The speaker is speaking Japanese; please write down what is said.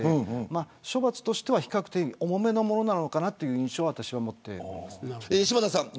処罰としては比較的重めのものかなという印象を持っています。